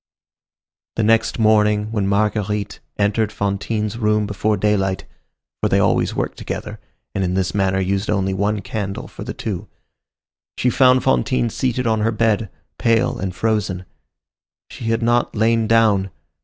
The next morning, when Marguerite entered Fantine's room before daylight,—for they always worked together, and in this manner used only one candle for the two,—she found Fantine seated on her bed, pale and frozen. She had not lain down.